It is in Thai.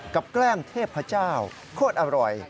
กับแกล้มเทพพระเจ้าโคตรอร่อย